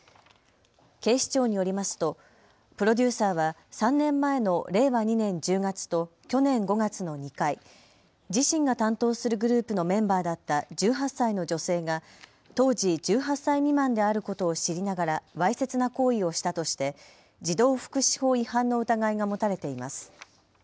警視庁によりますとプロデューサーは３年前の令和２年１０月と去年５月の２回、自身が担当するグループのメンバーだった１８歳の女性が当時１８歳未満であることを知りながらわいせつな行為をしたとして児童福祉法違反の疑いが持たれています。